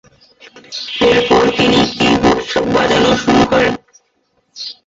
এরপর তিনি কি-বোর্ড বাজানো শুরু করেন।